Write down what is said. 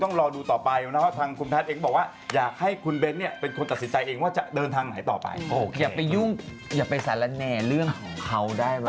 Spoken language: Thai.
มันจะพังก็เพราะว่าชาวบ้านเธอรู้เปล่า